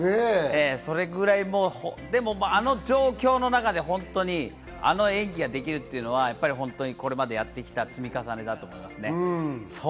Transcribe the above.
それくらい、でも、あの状況の中で本当にあの演技ができるっていうのは、これまでやってきた積み重ねだと思います。